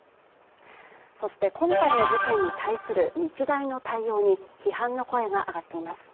そして、今回の事件に対する日大の対応に批判の声が上がっています。